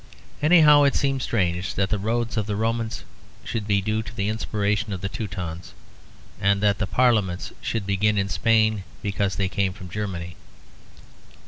Anyhow it seems strange that the roads of the Romans should be due to the inspiration of the Teutons; and that parliaments should begin in Spain because they came from Germany.